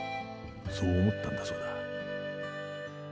そう思ったんだそうだ。